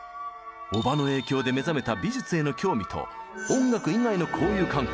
おばの影響で目覚めた美術への興味と音楽以外の交友関係。